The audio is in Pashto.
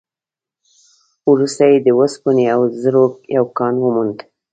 وروسته يې د اوسپنې او زرو يو کان وموند.